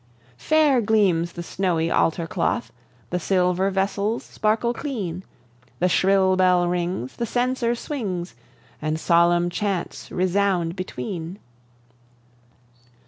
Fair gleams the snowy altar cloth, The silver vessels sparkle clean, The shrill bell rings, the censer swings, And solemn chaunts resound between.